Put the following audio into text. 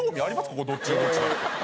ここどっちがどっちだって。